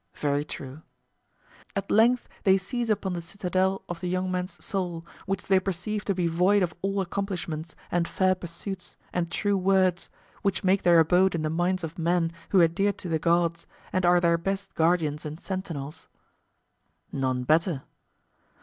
Very true. At length they seize upon the citadel of the young man's soul, which they perceive to be void of all accomplishments and fair pursuits and true words, which make their abode in the minds of men who are dear to the gods, and are their best guardians and sentinels. None better.